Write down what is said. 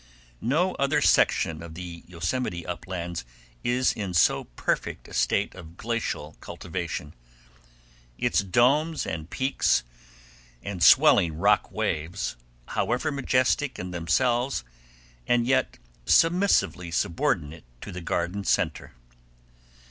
No other section of the Yosemite uplands is in so perfect a state of glacial cultivation. Its domes and peaks, and swelling rock waves, however majestic in themselves, and yet submissively subordinate to the garden center.